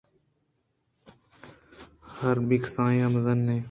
حرابی کسانیں یا مزن